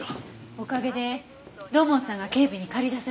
おかげで土門さんが警備に駆り出されてるわ。